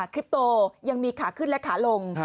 คลิปโตยังมีขาขึ้นและขาลง